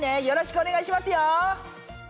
よろしくおねがいしますよ！